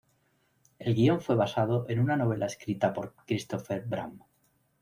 El guion fue basado en una novela escrita por Christopher Bram.